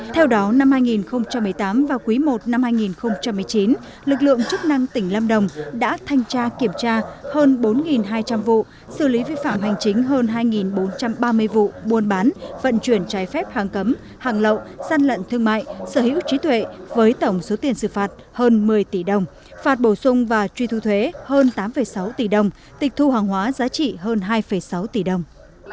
theo đó năm hai nghìn một mươi tám và quý i năm hai nghìn một mươi chín lực lượng chức năng tỉnh lam đồng đã thanh tra kiểm tra hơn bốn hai trăm linh vụ xử lý vi phạm hành chính hơn hai bốn trăm ba mươi vụ buôn bán vận chuyển trái phép hàng cấm hàng lậu săn lận thương mại sở hữu trí tuệ với tổng số tiền xử phạt hơn một mươi tỷ đồng phạt bổ sung và truy thu thuế hơn tám sáu tỷ đồng tịch thu hàng hóa giá trị hơn hai sáu tỷ đồng